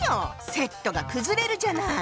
セットが崩れるじゃない！